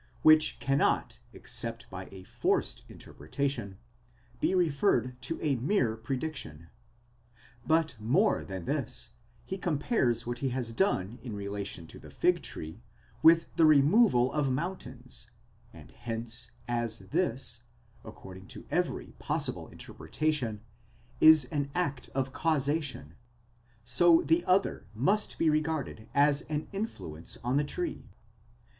which cannot except by a forced interpretation, be referred to a mere prediction. But more than this, he compares what he has done in relation to the fig tree, with the removal of mountains; and hence, as this, according to every possible interpretation, is an act of causation, so the other must be regarded as an influence on the tree.